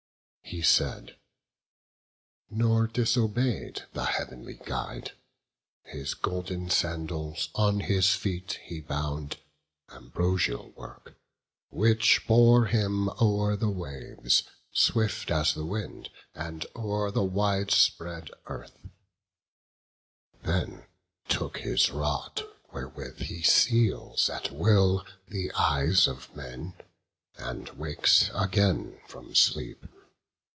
He said; nor disobey'd the heav'nly Guide; His golden sandals on his feet he bound, Ambrosial work; which bore him o'er the waves, Swift as the wind, and o'er the wide spread earth; Then took his rod, wherewith he seals at will The eyes of men, and wakes again from sleep.